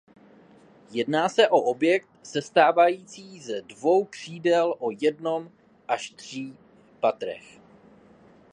Jedná se o objekt sestávající ze dvou křídel o jednom až tří patrech.